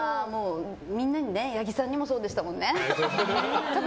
みんなに八木さんにもそうでしたからね。